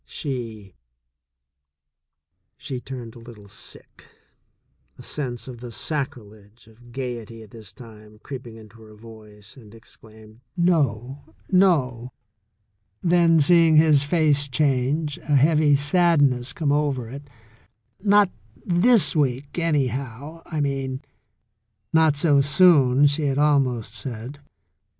She turned a little sick, a sense of the sacrilege of gaiety at this time creeping into her voice, and exclaimed : "No, no!" Then seeing his face change, a heavy sadness come over it, "Not this week, anyhow, I mean" ("Not so soon,'* she had almost said).